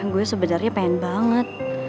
gue sebenernya pengen banget